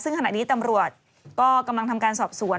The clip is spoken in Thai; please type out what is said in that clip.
ซึ่งขณะนี้ตำรวจก็กำลังทำการสอบสวน